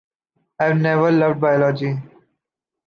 I’ve never loved Biology.